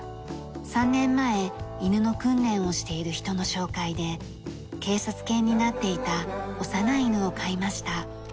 ３年前犬の訓練をしている人の紹介で警察犬になっていた幼い犬を飼いました。